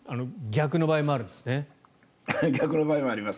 逆の場合もありますね。